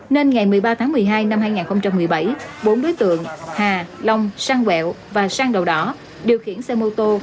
nên ngày một mươi ba tháng một mươi hai năm hai nghìn một mươi bảy bốn đối tượng hà long sang quẹo và sang đầu đỏ điều khiển xe mô tô